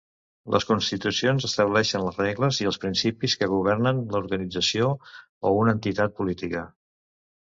Les constitucions estableixen les regles i els principis que governen l'organització o una entitat política.